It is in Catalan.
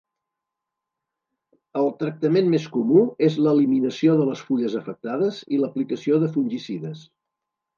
El tractament més comú és l'eliminació de les fulles afectades i l'aplicació de fungicides.